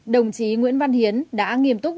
đồng chí nguyễn văn hiến đã nghiêm túc